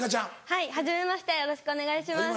はいはじめましてよろしくお願いします。